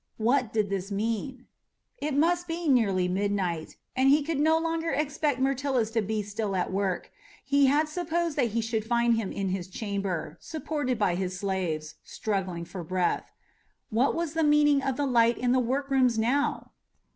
What did this mean? It must be nearly midnight, and he could no longer expect Myrtilus to be still at work. He had supposed that he should find him in his chamber, supported by his slaves, struggling for breath. What was the meaning of the light in the workrooms now?